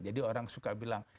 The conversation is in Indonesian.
jadi orang suka bilang